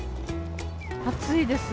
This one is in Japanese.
暑いです。